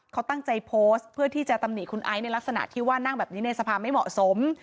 เขาตั้งใจโพสต์เพื่อที่จะตำหนิคุณไอซ์ในลักษณะที่ว่านั่งแบบนี้ในสภาไม่เหมาะสม